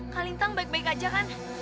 kak lintang baik baik aja kan